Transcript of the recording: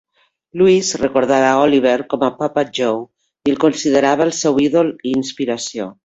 Louis recordava a Oliver com a "Papa Joe" i el considerava el seu ídol i inspiració.